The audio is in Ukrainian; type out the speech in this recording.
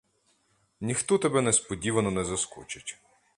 Ніхто тебе несподівано не заскочить.